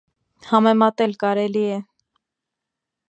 ...Համեմատել կարելի է։